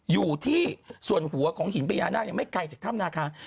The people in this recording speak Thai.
อยู่ที่ส่วนหัวของหินพญานาคไม่ไกลจากถ้ำนาคา